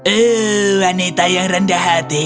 oh wanita yang rendah hati